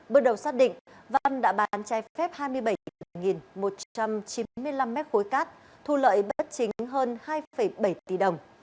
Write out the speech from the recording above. bước đầu xác định văn đã bán trái phép hai mươi bảy một trăm chín mươi năm mét khối cát thu lợi bất chính hơn hai bảy tỷ đồng